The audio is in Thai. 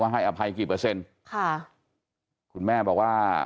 ให้อภัยกี่เปอร์เซ็นต์ค่ะคุณแม่บอกว่า